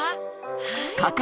はい。